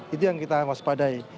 itu yang kita waspadai